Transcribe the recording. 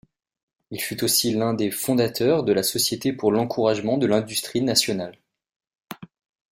Il fut aussi l'un des fondateurs de la Société pour l'encouragement de l'industrie nationale.